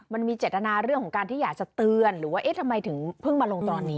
มันมีเจตนาเรื่องของการที่อยากจะเตือนหรือว่าเอ๊ะทำไมถึงเพิ่งมาลงตอนนี้